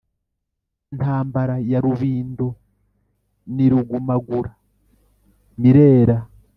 Ntambara ya Rubindo ni Rugumagura-mirera